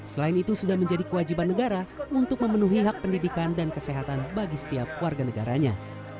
selain itu sudah menjadi kewajiban negara untuk memenuhi hak pendidikan dan kesehatan bagi setiap warga negaranya